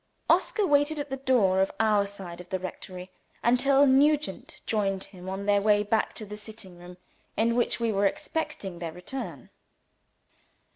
Oscar waited at the door of our side of the rectory, until Nugent joined him, on their way back to the sitting room in which we were expecting their return.